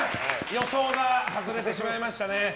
予想が外れてしまいましたね。